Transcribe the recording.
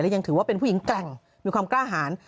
ยังถือว่าเป็นผู้หญิงแกร่งมีความกล้าหาร